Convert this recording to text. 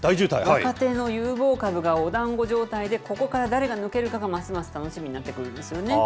若手の有望株がおだんご状態で、ここから誰が抜けるかが、ますます楽しみになってくるんです